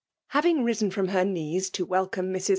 Having risen from her knees to welcome Krs.